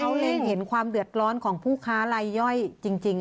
เราอยากให้เขาเห็นความเดือดร้อนของผู้ค้าไร่ย่อยจริง